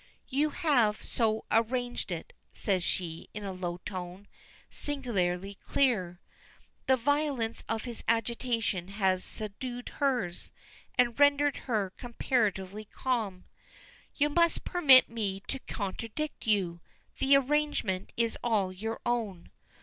"You have so arranged it," says she in a low tone, singularly clear. The violence of his agitation had subdued hers, and rendered her comparatively calm. "You must permit me to contradict you. The arrangement is all your own."